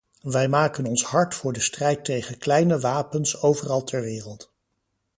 Wij maken ons hard voor de strijd tegen kleine wapens overal ter wereld.